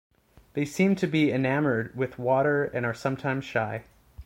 They seem to be enamored with water and are sometimes shy.